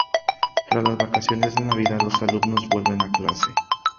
Tras las vacaciones de Navidad, los alumnos vuelven a clase.